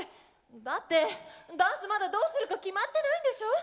だってダンスまだどうするか決まってないんでしょ？